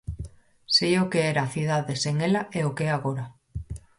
Sei o que era a cidade sen ela e o que é agora.